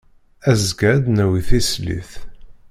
Azekka, ad d-nawi tislit.